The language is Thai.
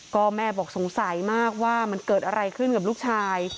ก็แม่บอกสงสัยมากว่ามันเกิดอะไรขึ้นกับลูกชาย